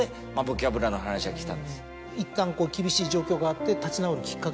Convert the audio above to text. いったん厳しい状況があって。